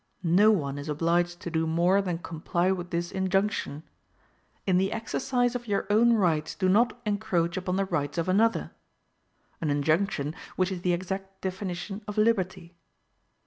No one is obliged to do more than comply with this injunction: IN THE EXERCISE OF YOUR OWN RIGHTS DO NOT ENCROACH UPON THE RIGHTS OF ANOTHER; an injunction which is the exact definition of liberty.